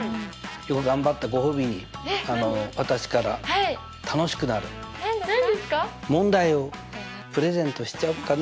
よく頑張ったご褒美に私から楽しくなる問題をプレゼントしちゃおっかな。